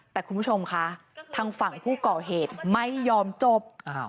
แต่คุณผู้ชมคะทางฝั่งผู้ก่อเหตุไม่ยอมจบ